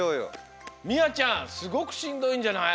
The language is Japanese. みあちゃんすごくしんどいんじゃない？